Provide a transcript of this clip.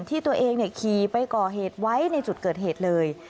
ที่ตัวเองขี่ไปก่อเหตุไว้ในจุดเกิดเหตุเลย